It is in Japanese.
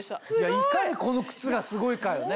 いかにこの靴がすごいかよね。